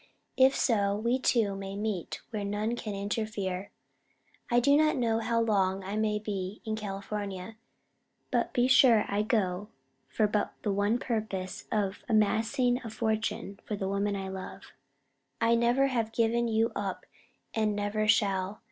If so, we two may meet where none can Interfear. I do not know how long I may be in California, but be Sure I go for but the one purpose of amassing a Fortune for the Woman I love. I never have given you Up and never shall.